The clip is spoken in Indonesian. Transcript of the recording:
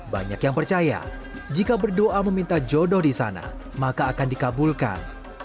banyak yang percaya jika berdoa meminta jodoh di sana maka akan dikabulkan